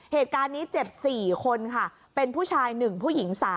เหตุการณ์นี้เจ็บ๔คนค่ะเป็นผู้ชาย๑ผู้หญิง๓